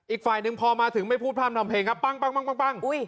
อีกฝ่ายหนึ่งพอมาถึงไม่พูดพร่ำทำเพลงครับปั้ง